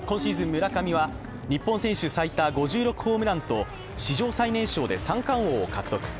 村上は日本選手最多５６ホームランと史上最年少で三冠王を獲得。